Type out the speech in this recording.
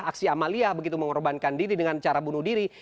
aksi amalia begitu mengorbankan diri dengan cara bunuh diri